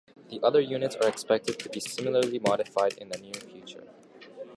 The other units are expected to be similarly modified in the near future.